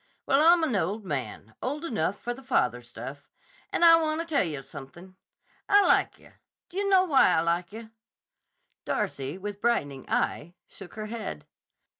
Well, I'm an old man; old enough for the father stuff. And I wanta tell yah something. I like yah. D' yah know why I like yah?" Darcy, with brightening eye, shook her head.